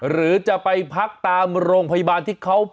หรือจะไปพักตามโรงพยาบาลที่เขา